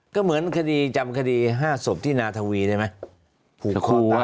ก็เหมือนคดีจำคดี๕ศพที่นาทวีได้ไหม